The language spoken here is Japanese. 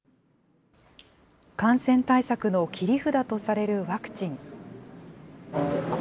感染対策の切り札とされるワクチン。